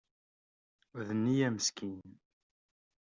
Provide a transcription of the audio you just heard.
D nniya meskin.